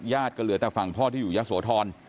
ก็เหลือแต่ฝั่งพ่อที่อยู่ยะโสธร